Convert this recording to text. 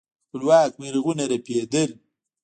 خپلواک بيرغونه رپېدل.